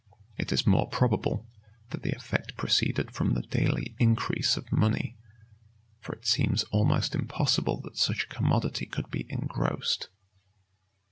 [v] It is more probable, that the effect proceeded from the daily increase of money; for it seems almost impossible that such a commodity could be engrossed.